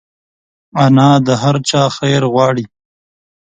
انا د هر چا خیر غواړي